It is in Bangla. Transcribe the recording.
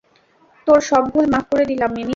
তোর সব ভুল মাফ করে দিলাম, মিমি।